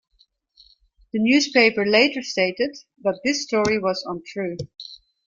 The newspaper later stated that this story was untrue.